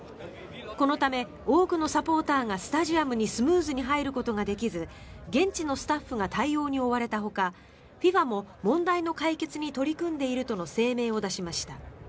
このため、多くのサポーターがスタジアムにスムーズに入ることができず現地のスタッフが対応に追われたほかＦＩＦＡも問題の解決に取り組んでいるとの声明を出しました。